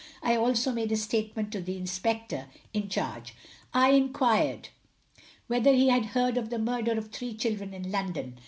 I also made a statement to the inspector in charge. I inquired whether he had heard of the murder of three children in London.